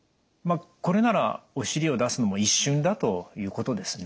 これならお尻を出すのも一瞬だということですね。